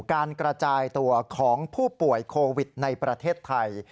การกระจายตัวของผู้ป่วยโควิดในประเทศไทย